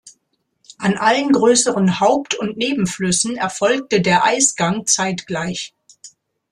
An allen größeren Haupt- und Nebenflüssen erfolgte der Eisgang zeitgleich.